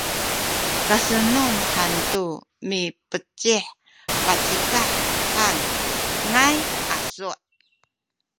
kasenun hantu mipecih pacikah han ngaay asu’